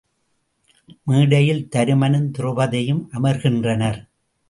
மேடையில் தருமனும் திரெளபதியும் அமர்கின்றனர்.